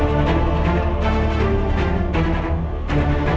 jangan lupa like share dan subscribe